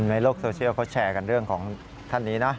ในโลกโซเชียลเขาแชร์กันเรื่องของท่านนี้นะ